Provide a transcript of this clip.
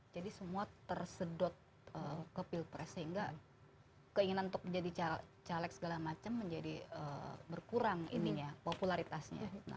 semua tersedot ke pilpres sehingga keinginan untuk menjadi caleg segala macam menjadi berkurang ininya popularitasnya